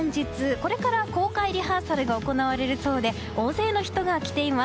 これから公開リハーサルが行われるそうで大勢の人が来ています。